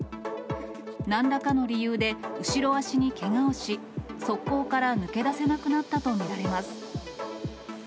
なんらかの理由で後ろ足にけがをし、側溝から抜け出せなくなったと見られます。